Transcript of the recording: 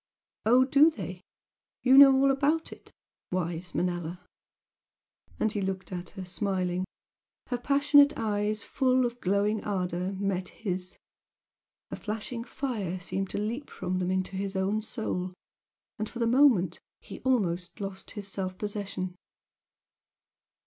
"Oh, do they? You know all about it? Wise Manella!" And he looked at her, smiling. Her passionate eyes, full of glowing ardour, met his, a flashing fire seemed to leap from them into his own soul, and for the moment he almost lost his self possession.